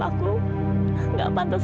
aku pengen banget